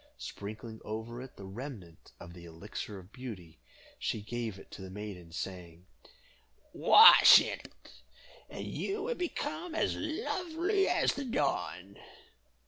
Sprinkling over it the remnant of the Elixir of Beauty, she gave it to the maiden, saying, "Wash in it, and you will become as lovely as the dawn."